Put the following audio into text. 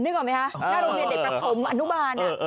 ออกไหมคะหน้าโรงเรียนเด็กประถมอนุบาล